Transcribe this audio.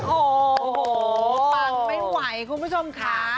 โอ้โหปังไม่ไหวคุณผู้ชมค่ะ